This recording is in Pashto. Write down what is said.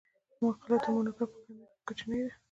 مقاله تر مونوګراف په کمیت کښي کوچنۍ ده.